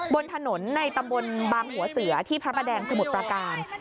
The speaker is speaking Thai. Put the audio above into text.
บนถนนในตำบลบางหัวเสือที่พระประแดงสมุทรประการ